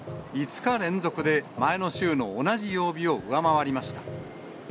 ５日連続で前の週の同じ曜日を上回りました。